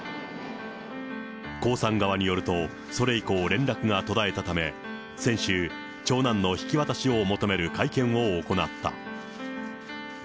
江さん側によると、それ以降、連絡が途絶えたため、先週、長男の引き渡しを求める会見を行った。